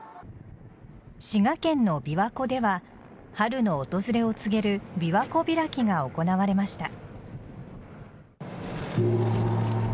滋賀県の琵琶湖では春の訪れを告げるびわ湖開きが行われました。